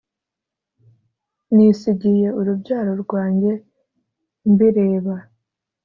Nisigiye urubyaro rwanjye mbireba!